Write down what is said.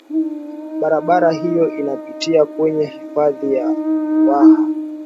barabara hiyo inapitia kwenye hifadhi ya ruaha